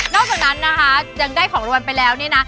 นอกจากนั้นนะคะยังได้ของรวมไปแล้วเนี่ยนะ